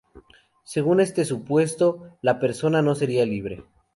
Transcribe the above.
Según este supuesto, la persona no sería libre.